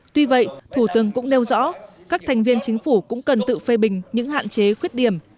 tuy vậy thủ tướng cũng nêu rõ các thành viên chính phủ cũng cần tự phê bình những hạn chế khuyết điểm